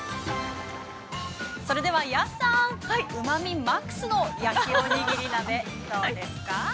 ◆それでは、安さんうまみマックスの焼きおにぎり鍋どうですか？